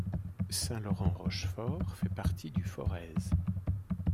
Saint-Laurent-Rochefort fait partie du Forez.